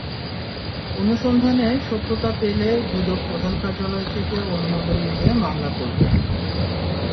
অনুসন্ধানে সত্যতা পেলে দুদক প্রধান কার্যালয় থেকে অনুমোদন নিয়ে মামলা করবে।